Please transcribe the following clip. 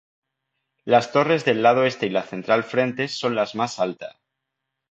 Las torres del lado este y la central frente son las más alta.